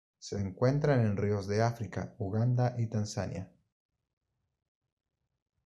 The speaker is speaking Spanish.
Se encuentran en ríos de África: Uganda y Tanzania.